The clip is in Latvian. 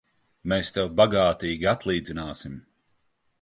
Mēs tev bagātīgi atlīdzināsim!